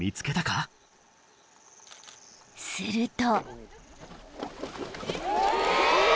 ［すると］